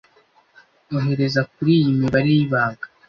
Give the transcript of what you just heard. Ohereza kuriyi mibare yibanga